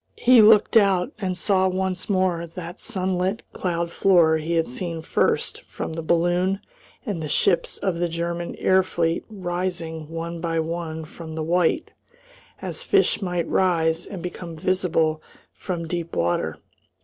He looked out, and saw once more that sunlit cloud floor he had seen first from the balloon, and the ships of the German air fleet rising one by one from the white, as fish might rise and become visible from deep water.